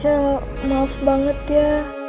ya maaf banget ya